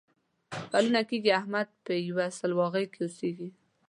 کلونه کېږي احمد په یوه سوغلۍ کې اوسېږي.